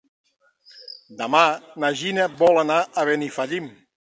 Demà na Gina vol anar a Benifallim.